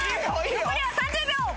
残りは３０秒！